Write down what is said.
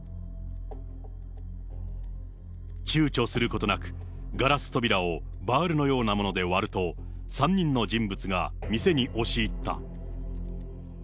ちゅうちょすることなく、ガラス扉をバールのようなもので割ると、３人の人物が店に押し入った。